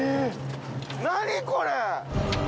何これ！